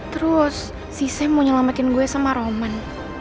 terus si saya mau nyelamatin gue sama roman